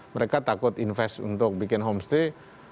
mereka takut invest untuk bikin homestay